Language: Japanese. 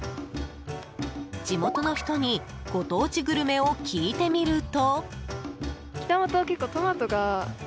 地元の人にご当地グルメを聞いてみると。